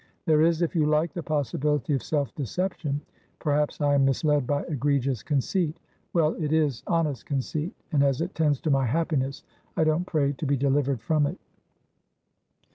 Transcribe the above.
There isif you likethe possibility of self deception. Perhaps I am misled by egregious conceit. Well, it is honest conceit, and, as it tends to my happiness, I don't pray to be delivered from it."